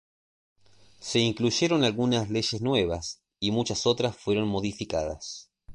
Se incluyeron algunas leyes nuevas, y muchas otras fueron modificadas.